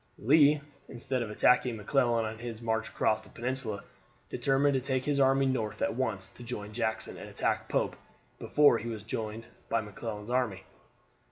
Lee, instead of attacking McClellan on his march across the peninsula, determined to take his army north at once to join Jackson and attack Pope before he was joined by McClellan's army.